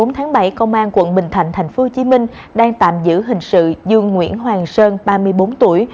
bốn tháng bảy công an quận bình thạnh tp hcm đang tạm giữ hình sự dương nguyễn hoàng sơn ba mươi bốn tuổi